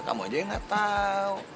kamu aja yang gak tau